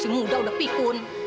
muda udah pikun